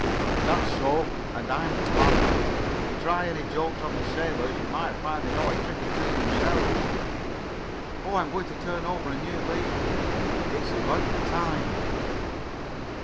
"That's so, and I'm glad of it. If you try any jokes on the sailors you may find they know a trick or two themselves." "Oh, I'm going to turn over a new leaf." "It's about time."